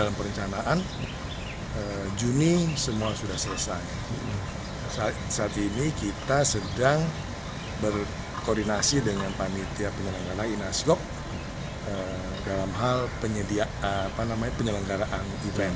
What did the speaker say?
menunggu kedatangan peralatan